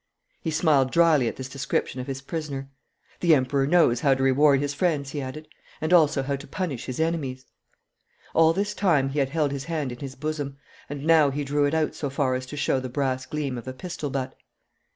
He smiled drily at this description of his prisoner. 'The Emperor knows how to reward his friends,' he added, 'and also how to punish his enemies.' All this time he had held his hand in his bosom, and now he drew it out so far as to show the brass gleam of a pistol butt.